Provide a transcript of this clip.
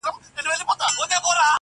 ګوره پښتانه وروڼه بېلېږي او جایداد ویشي